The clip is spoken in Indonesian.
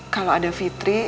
kalau ada fitri